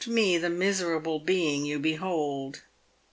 335 ine the miserable being you behold."